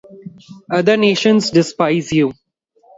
Other nations despise you.